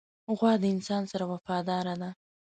غوا د انسان سره وفاداره ده.